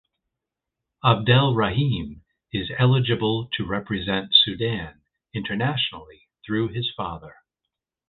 Abdel Rahim is eligible to represent Sudan internationally through his father.